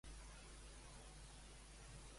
Quin altre negoci tenia la Maria Àngela?